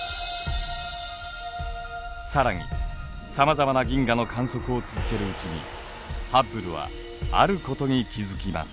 更にさまざまな銀河の観測を続けるうちにハッブルはあることに気付きます。